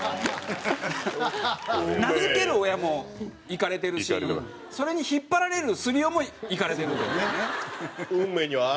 名付ける親もイカれてるしそれに引っ張られるスリ夫もイカれてるというね。